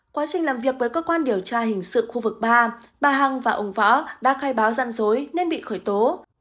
quá trình làm việc với cơ quan điều tra hình sự khu vực ba bà hằng và ông võ đã khai báo gian dối nên bị khởi tố